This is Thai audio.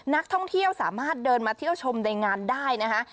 นักท่องเที่ยวสามารถเดินมาเที่ยวชมในงานได้นะคะ